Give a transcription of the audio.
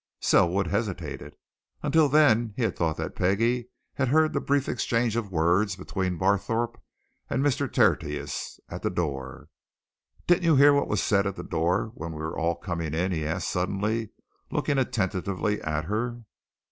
Selwood hesitated. Until then he had thought that Peggie had heard the brief exchange of words between Barthorpe and Mr. Tertius at the door. "Didn't you hear what was said at the door when we were all coming in?" he asked suddenly, looking attentively at her.